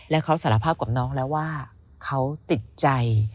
และเขาสารภาพกับน้องแล้วว่าเขาติดใจ